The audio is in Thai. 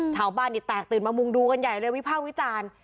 ชาวบ้านนี่แตกตื่นมามุงดูกันใหญ่เลยวิภาควิจารณ์